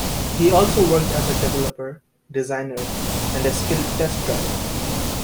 He also worked as developer, designer, and skilled test driver.